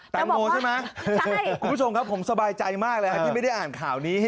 แตงโมใช่ไหมคุณผู้ชมครับผมสบายใจมากเลยที่ไม่ได้อ่านข่าวนี้